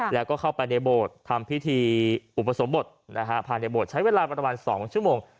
แล้วก็เข้าไปในโบสถ์ทำพิธีอุปสมบทภายในโบสถใช้เวลาประมาณ๒ชั่วโมง